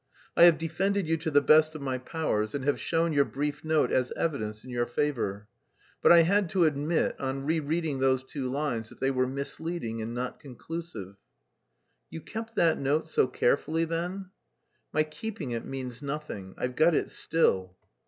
I have defended you to the best of my powers, and have shown your brief note as evidence in your favour. But I had to admit on rereading those two lines that they were misleading and not conclusive." "You kept that note so carefully then?" "My keeping it means nothing; I've got it still."